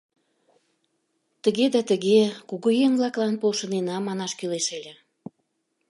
Тыге да тыге, кугыеҥ-влаклан полшынена, манаш кӱлеш ыле.